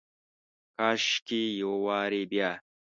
کاشکي یو وارې بیا،